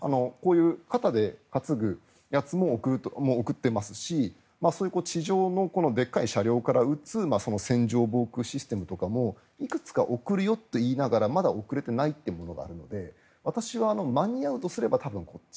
肩で担ぐやつも送っていますしそういう地上のでかい車両から撃つ戦場防空システムなどをいくつか送るよと言いながらまだ送れてないというものがあるので私は間に合うとすれば多分こっち。